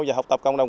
và học tập cộng đồng